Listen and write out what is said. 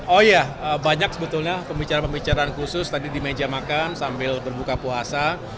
oh iya banyak sebetulnya pembicaraan pembicaraan khusus tadi di meja makan sambil berbuka puasa